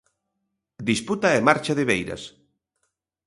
Disputa e marcha de Beiras.